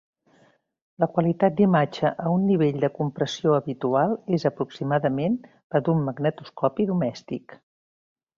La qualitat d'imatge a un nivell de compressió habitual és aproximadament la d'un magnetoscopi domèstic.